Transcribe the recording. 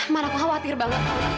man aku khawatir banget